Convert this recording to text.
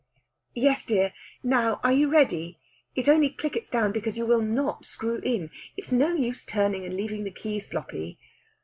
"Yes, dear. Now, are you ready?... It only clickets down because you will not screw in; it's no use turning and leaving the key sloppy...."